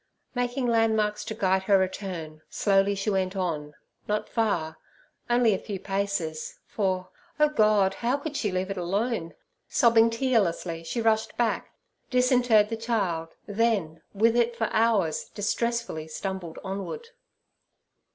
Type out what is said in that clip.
Making landmarks to guide her return, slowly she went on—not far—only a few paces, for, oh God! how could she leave it alone? Sobbing tearlessly, she rushed back, disinterred the child, then with it for hours distressfully stumbled onward.